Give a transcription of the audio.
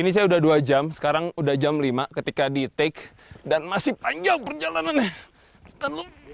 ini saya udah dua jam sekarang udah jam lima ketika di take dan masih panjang perjalanannya